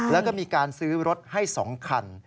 แล้วก็มีการซื้อรถให้๒คัน